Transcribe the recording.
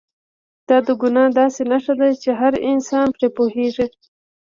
دا د ګناه داسې نښه ده چې هر انسان پرې پوهېږي.